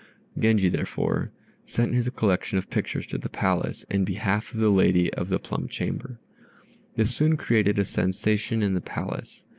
Genji, therefore, sent his collection of pictures to the Palace in behalf of the lady of the plum chamber. This soon created a sensation in the Palace.